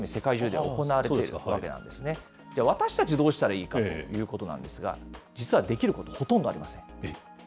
私たち、どうしたらいいかということなんですが、実はできること、ほとんどありません。